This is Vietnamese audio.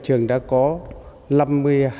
trong nước và khu vực